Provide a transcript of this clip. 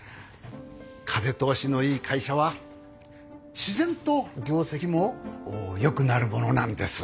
風通しのいい会社は自然と業績もよくなるものなんです。